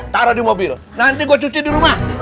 taruh di mobil nanti gue cuci di rumah